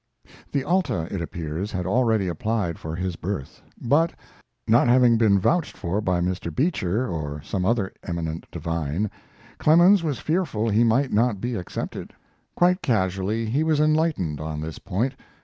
] The Alta, it appears, had already applied for his berth; but, not having been vouched for by Mr. Beecher or some other eminent divine, Clemens was fearful he might not be accepted. Quite casually he was enlightened on this point.